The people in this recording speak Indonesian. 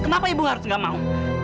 kenapa ibu harus gak mau